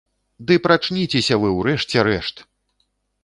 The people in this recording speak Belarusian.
Ды прачніцеся вы ў рэшце рэшт!